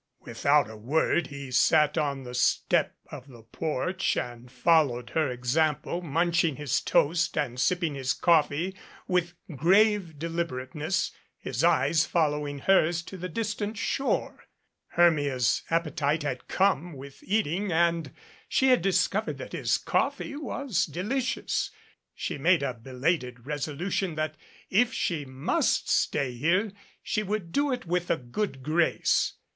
Without a word he sat on the step of the porch and followed her example, munching his toast and sipping his coffee with grave deliberateness, his eyes following hers to the distant shore. Hermia's appetite had come with eating and she had discovered that his coffee was delicious. She made a belated resolution that, if she must stay here, she would do it with a good grace.